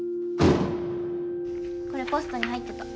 これポストに入ってた。